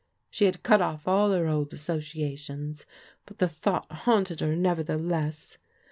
She had cut off all her old associations! but the thought haunted her, nevertheless.